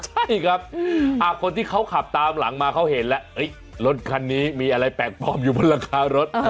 ใช่ครับคนที่เขาขับตามหลังมาเขาเห็นแล้วรถคันนี้มีอะไรแปลกปลอมอยู่บนหลังคารถ